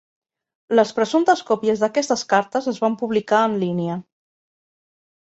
Les presumptes còpies d'aquestes cartes es van publicar en línia.